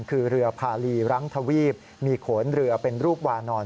คือเรือพาลีรังทวีปมีโขนเรือเป็นรูปวานอน